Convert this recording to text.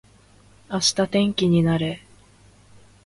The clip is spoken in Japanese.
明日天気になれー